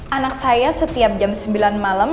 anak saya setiap jam sembilan malam